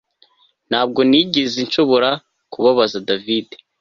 Ntabwo nigeze nshobora kubabaza David